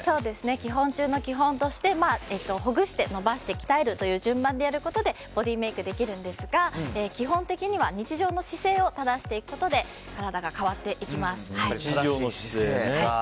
基本中の基本としてほぐして、伸ばして鍛えるという順番でやることでボディーメイクできますが基本的には日常の姿勢を正していくことで日常の姿勢ね。